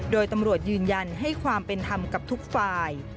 โดยตำรวจยืนยันให้ความเป็นธรรมกับทุกฝ่าย